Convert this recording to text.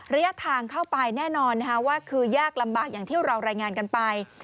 ระยะทางเข้าไปแน่นอนว่าคือยากลำบากอย่างที่เรารายงานกันไป